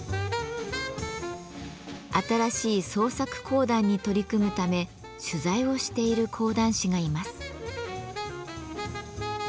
新しい創作講談に取り組むため取材をしている講談師がいます。